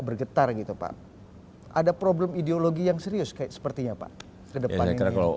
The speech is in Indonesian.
bergetar gitu pak ada problem ideologi yang serius kayak sepertinya pak kedepannya kalau